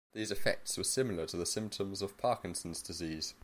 These effects were similar to the symptoms of Parkinson's disease.